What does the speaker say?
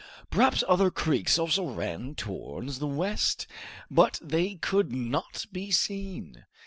Perhaps other creeks also ran towards the west, but they could not be seen.